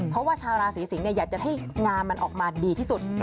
เพราะว่าชาวราศีสิงศ์อยากจะให้งามมันออกมาดีที่สุด